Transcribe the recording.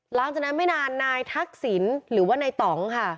หลังจากนั้นไม่นานนายทักษิณหรือว่านายต่องค่ะ